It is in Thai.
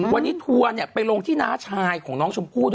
วันนี้ทัวร์ไปลงที่น้าชายของน้องชมพู่